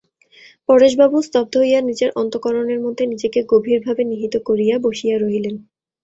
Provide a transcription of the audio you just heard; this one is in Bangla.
পরেশবাবুও স্তব্ধ হইয়া নিজের অন্তঃকরণের মধ্যে নিজেকে গভীরভাবে নিহিত করিয়া বসিয়া রহিলেন।